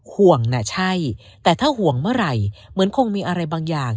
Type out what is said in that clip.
ห่วงนะใช่แต่ถ้าห่วงเมื่อไหร่เหมือนคงมีอะไรบางอย่าง